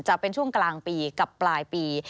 จะเป็นช่วงกลางปีกับปลายปี